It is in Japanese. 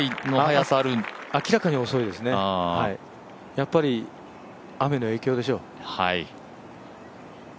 やはり雨の影響でしょう。